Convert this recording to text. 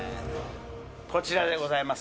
こちらでございます。